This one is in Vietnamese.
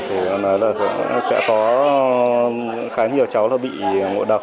thì nó nói là sẽ có khá nhiều cháu là bị ngộ độc